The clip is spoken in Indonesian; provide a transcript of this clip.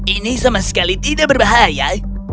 ini sama sekali tidak berbahaya